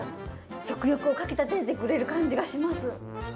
食欲をかきたててくれる感じがします。